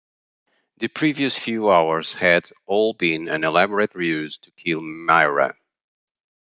The previous few hours had all been an elaborate ruse to kill Myra.